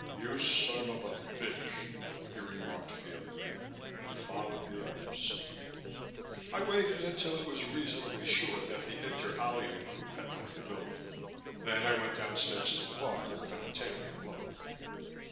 "You son of a bitch!" he remarked feelingly, and followed the others. I waited until it was reasonably sure that the Inter Alia group had left the building. Then I went downstairs to the bar and found Tammy alone.